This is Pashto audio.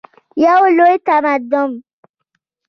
یو لوی تمدن.